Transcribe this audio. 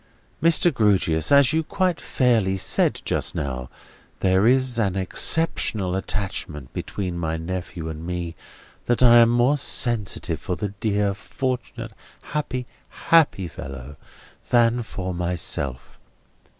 Mr. Grewgious, as you quite fairly said just now, there is such an exceptional attachment between my nephew and me, that I am more sensitive for the dear, fortunate, happy, happy fellow than for myself.